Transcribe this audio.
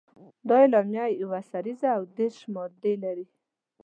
دا اعلامیه یوه سريزه او دېرش مادې لري.